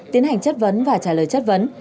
tiến hành chất vấn và trả lời chất vấn